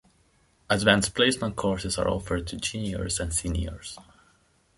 Advanced Placement courses are offered to juniors and seniors.